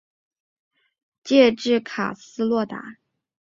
现时由俄超球队辛尼特外借至卡斯洛达。